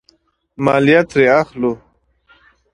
مالیه ترې اخلو.